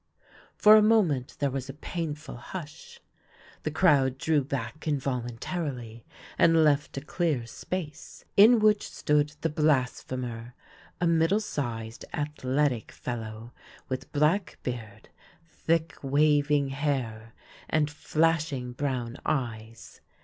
For a moment there was a painful hush. The crowd drew back involuntarily and left a clear space, in which stood the blasphemer, a middle sized, athletic fellow, with black beard, thick, waving hair, and flashing brown eyes.